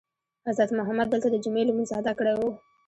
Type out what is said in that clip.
حضرت محمد دلته دجمعې لمونځ ادا کړی وو.